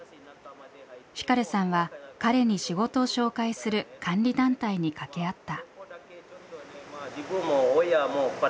フィカルさんは彼に仕事を紹介する監理団体に掛け合った。